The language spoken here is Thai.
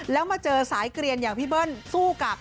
แล้วมาเจอสายเกลียนอย่างพี่เบิ้ลสู้กับ